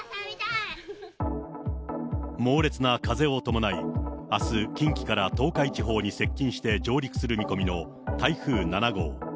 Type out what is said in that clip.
猛烈な風を伴い、あす、近畿から東海地方に接近して上陸する見込みの台風７号。